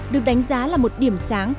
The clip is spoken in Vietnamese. được đánh giá là một điểm sáng